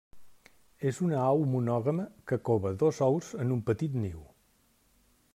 És una au monògama que cova dos ous en un petit niu.